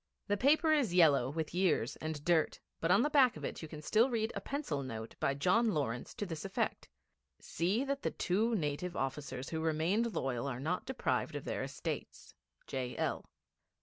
The paper is yellow with years and dirt, but on the back of it you can still read a pencil note by John Lawrence, to this effect: 'See that the two native officers who remained loyal are not deprived of their estates. J.L.'